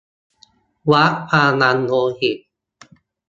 วัดความดันโลหิต